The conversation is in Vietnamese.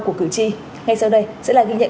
của cử tri ngay sau đây sẽ là ghi nhận